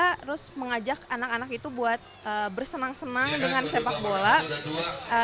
kita terus mengajak anak anak itu buat bersenang senang dengan sepak bola